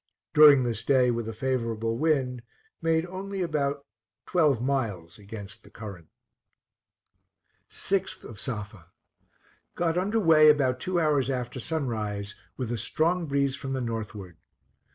During this day, with a favorable wind, made only about twelve miles against the current. 6th of Safa. Got under way about two hours after sunrise, with a strong breeze from the northward.